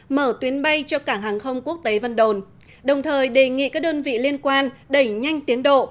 mở tuyến bay cho cảng hàng không quốc tế vân đồn đồng thời đề nghị các đơn vị liên quan đẩy nhanh tiến độ